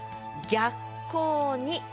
「逆光に」